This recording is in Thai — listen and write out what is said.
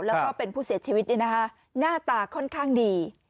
แล้วก็เป็นผู้เสียชีวิตหน้าตาค่อนข้างดี